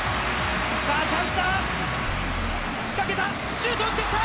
シュート打っていった！